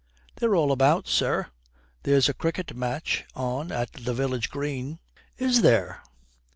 'They're all about, sir. There's a cricket match on at the village green.' 'Is there?'